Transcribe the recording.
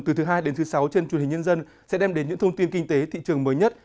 từ thứ hai đến thứ sáu trên truyền hình nhân dân sẽ đem đến những thông tin kinh tế thị trường mới nhất